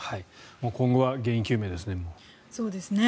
今後は原因究明ですね。